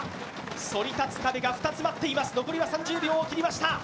そり立つ壁が２つ待っています、残りは３０秒を切りました。